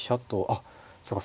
あっそうか